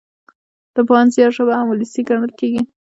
د پوهاند زيار ژبه هم وولسي ګڼل کېږي.